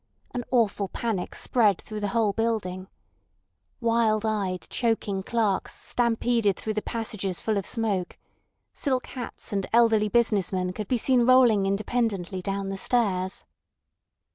An awful panic spread through the whole building. Wild eyed, choking clerks stampeded through the passages full of smoke, silk hats and elderly business men could be seen rolling independently down the stairs.